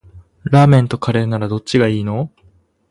ラーメンとカレーならどっちがいいの？